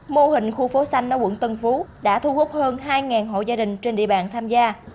mô hình khu phố xanh ở quận tân phú đã thu hút hơn hai hộ gia đình trên địa bàn tham gia